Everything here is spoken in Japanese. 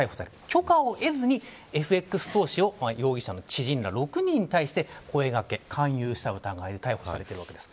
許可を得ずにＦＸ投資を容疑者の知人ら６人に対して声掛け、勧誘した疑いで逮捕されたわけです。